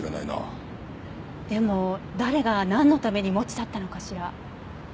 でも誰がなんのために持ち去ったのかしら。